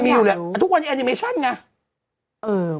มันมีอยู่แหละทุกวันนี้แอนิเมชั่นไง